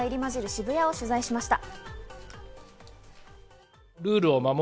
渋谷を取材しました。